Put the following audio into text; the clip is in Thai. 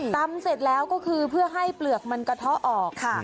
เสร็จแล้วก็คือเพื่อให้เปลือกมันกระเทาะออกค่ะ